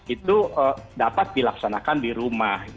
itu dapat dilaksanakan di rumah